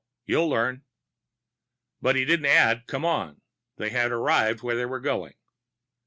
You'll learn." But he didn't add "come on." They had arrived where they were going.